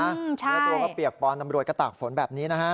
เนื้อตัวก็เปียกปอนตำรวจกระตากฝนแบบนี้นะฮะ